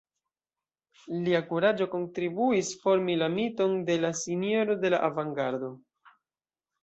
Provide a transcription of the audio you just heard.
Lia kuraĝo kontribuis formi la miton de la «Sinjoro de la Avangardo».